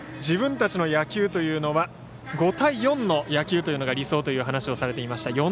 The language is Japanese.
自分たちの野球というのは５対４の野球というのが理想という話をされていました。